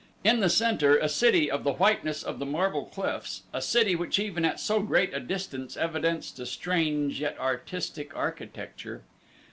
In the center a city of the whiteness of the marble cliffs a city which even at so great a distance evidenced a strange, yet artistic architecture.